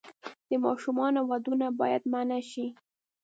د ماشومانو ودونه باید منع شي.